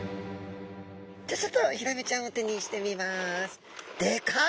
じゃあちょっとヒラメちゃんを手にしてみます。